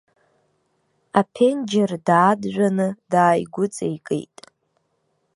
Аԥенџьыр дааджәаны дааигәыҵеикит.